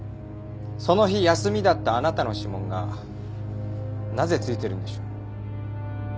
その日休みだったあなたの指紋がなぜ付いてるんでしょう？